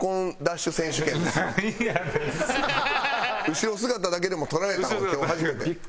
後ろ姿だけでも捉えたのは今日初めて。